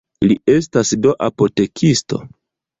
Li estas do apotekisto?